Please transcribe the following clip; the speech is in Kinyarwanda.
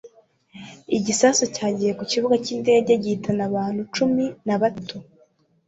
Igisasu cyagiye ku kibuga cyindege gihitana abantu cumi na batatu